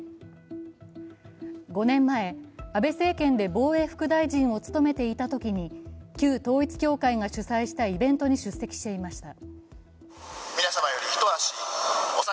５年前、安倍政権で防衛副大臣を務めていたときに旧統一教会が主催したイベントに出席していました。